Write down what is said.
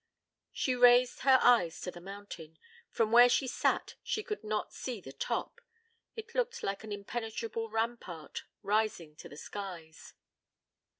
... She raised her eyes to the mountain. From where she sat she could not see the top. It looked like an impenetrable rampart, rising to the skies.